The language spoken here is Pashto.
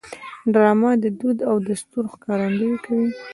ډرامه د دود او دستور ښکارندویي کوي